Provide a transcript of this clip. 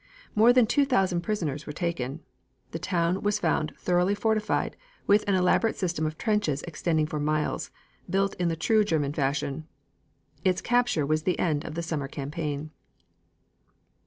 More than two thousand prisoners were taken. The town was found thoroughly fortified, with an elaborate system of trenches extending for miles, built in the true German fashion. Its capture was the end of the summer campaign.